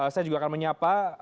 saya juga akan menyapa